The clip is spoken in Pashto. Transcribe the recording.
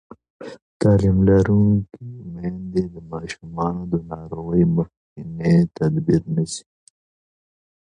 تعلیم لرونکې میندې د ماشومانو د ناروغۍ مخکینی تدبیر نیسي.